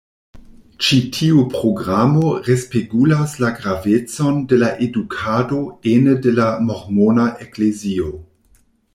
Ĉi tiu programo respegulas la gravecon de la edukado ene de la Mormona Eklezio.